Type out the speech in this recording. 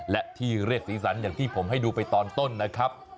และที่เรียกสีสันอย่างที่ผมให้ดูไปตอนต้นนะครับ